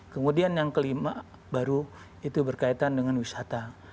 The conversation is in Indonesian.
kemudian yang kelima baru itu berkaitan dengan wisata